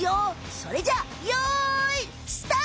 それじゃあよいスタート！